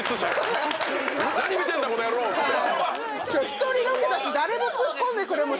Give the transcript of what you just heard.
１人ロケだし誰もツッコんでくれもしないし。